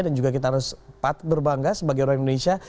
dan juga kita harus berbangga sebagai orang indonesia